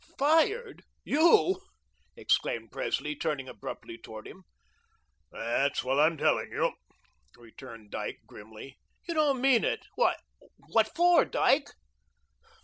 "Fired! You!" exclaimed Presley, turning abruptly toward him. "That's what I'm telling you," returned Dyke grimly. "You don't mean it. Why, what for, Dyke?"